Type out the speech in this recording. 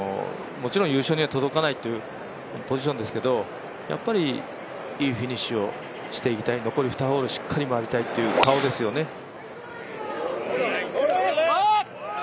もちろん優勝には届かないというポジションですけどやっぱりいいフィニッシュをしていきたい、残り２ホールしっかり回りたいという顔ですよね。